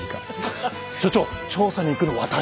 所長調査に行くの私でしょう？